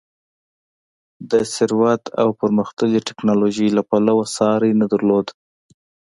د ثروت او پرمختللې ټکنالوژۍ له پلوه ساری نه درلود.